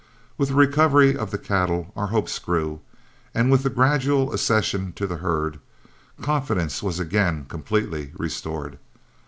With the recovery of the cattle our hopes grew, and with the gradual accessions to the herd, confidence was again completely restored.